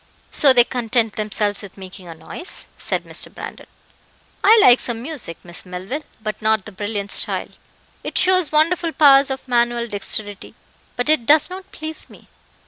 "So they content themselves with making a noise," said Mr. Brandon. "I like some music, Miss Melville; but not the brilliant style. It shows wonderful powers of manual dexterity, but it does not please me."